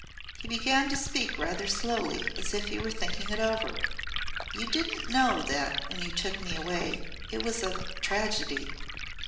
He began to speak rather slowly as if he were thinking it over. "You didn't know that, when you took me away, it was a tragedy.